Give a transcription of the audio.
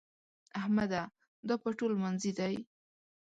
احمده! دا پټو لمانځي دی؟